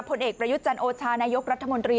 ผลเอกประยุทธ์จันโอชานายกรัฐมนตรี